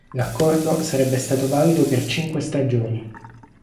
L'accordo sarebbe stato valido per cinque stagioni.